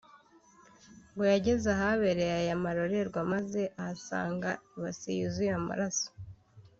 ngo yageze ahabereye aya marorerwa maze ahasanga ibase yuzuye amaraso